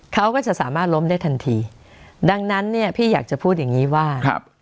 เขาก็จะสามารถล้มได้ทันทีดังนั้นเนี่ยพี่อยากจะพูดอย่างงี้ว่าครับ